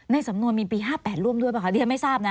ในสำนวนมีปี๕๘ร่วมด้วยหรือเปล่าดีท่านไม่ทราบนะ